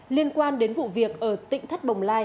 liên quan đến vụ việc ở tỉnh thất bồng lai